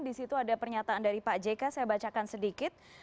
di situ ada pernyataan dari pak jk saya bacakan sedikit